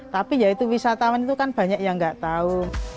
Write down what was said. tapi ya itu wisatawan itu kan banyak yang nggak tahu